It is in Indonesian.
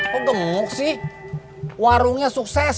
kok gemuk sih warungnya sukses